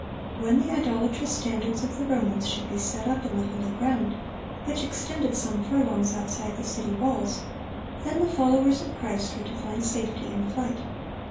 (32) When the idolatrous standards of the Romans should be set up in the holy ground, which extended some furlongs outside the city walls, then the followers of Christ were to find safety in flight.